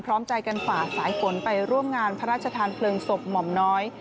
พร้อมใจกันฝ่าสายฝนไปร่วมงานพระราชทานเพลิงศพหม่อมน้อย